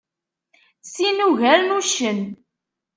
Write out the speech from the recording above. Sin ugaren uccen.